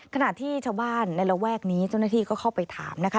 ขณะที่ชาวบ้านในระแวกนี้เจ้าหน้าที่ก็เข้าไปถามนะคะ